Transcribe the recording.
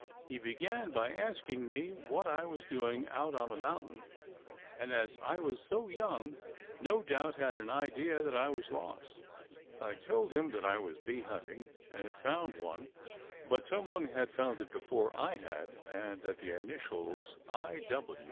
He began by asking me what I was doing out on the mountain, and as I was so young, no doubt had an idea that I was lost. I told him that I was bee hunting and had found one but some one had found it before I had, and that the initials I.